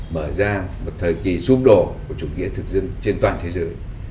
mở ra một thời kỳ xung đột của chủ nghĩa thực dân trên toàn thế giới